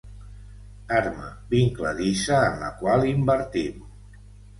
Arma vincladissa en la qual invertim.